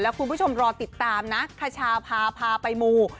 คุณผู้ชมรอติดตามนะขชาพาพาไปมู